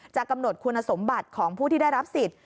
กำหนดคุณสมบัติของผู้ที่ได้รับสิทธิ์